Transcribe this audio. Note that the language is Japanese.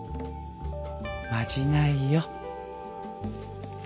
まじないよ。